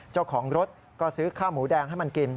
เจ้าของรถก็ซื้อข้าวหมูแดงให้มันกิน